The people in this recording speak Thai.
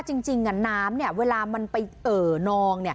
จริงน้ำเวลามันไปเอ่อนอง